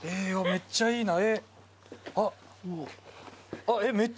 めっちゃいいなえっあっ。